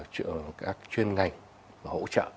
sử dụng các chuyên ngành hỗ trợ